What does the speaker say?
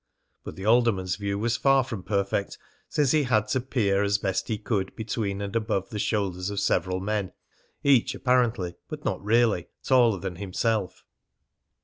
But the alderman's view was far from perfect, since he had to peer as best he could between and above the shoulders of several men, each apparently, but not really, taller than himself.